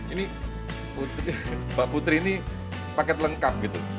ini mbak putri ini paket lengkap gitu